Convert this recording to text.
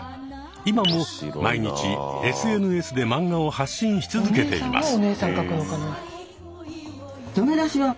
今も毎日ＳＮＳでマンガを発信し続けています。